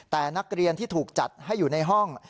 แต่นักเรียนที่ถูกจัดให้อยู่ในห้อง